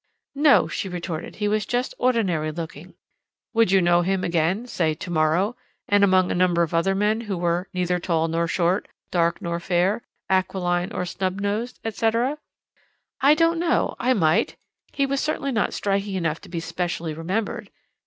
"No," she retorted; "he was just ordinary looking." "Would you know him again say to morrow, and among a number of other men who were 'neither tall nor short, dark nor fair, aquiline nor snub nosed,' etc.?" "I don't know I might he was certainly not striking enough to be specially remembered."